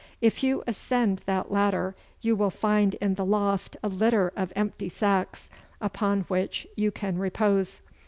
If you ascend that ladder you will find in the loft a litter of empty sacks, upon which you can repose.